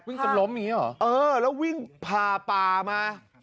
จนล้มอย่างนี้หรอเออแล้ววิ่งผ่าป่ามา